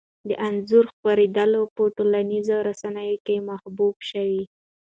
د انځور خپرېدل په ټولنیزو رسنیو کې محبوب شو.